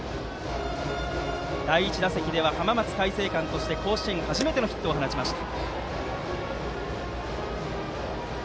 第１打席では浜松開誠館として甲子園初めてのヒットを打ちました。